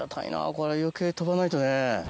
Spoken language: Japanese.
これ余計飛ばないとね。